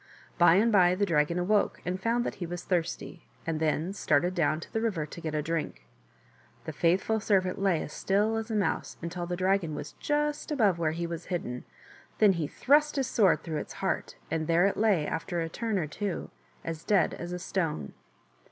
By and by the dragon awoke and found that he was thirsty, and then started down to the river to get a drink. The faithful servant lay as still as a mouse until the dragon was just above where he was hidden , then he thrust his sword through its heart, and there it lay, after a turn or two, as dead as a stone.